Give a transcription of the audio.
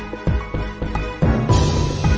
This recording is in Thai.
กินโทษส่องแล้วอย่างนี้ก็ได้